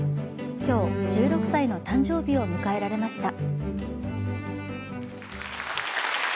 今日、１６歳の誕生日を迎えられました。